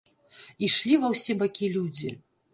Ішлі ва ўсе бакі людзі.